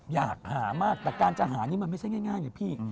อยากหามากแต่การจะหานี่มันไม่ใช่ง่ายไงพี่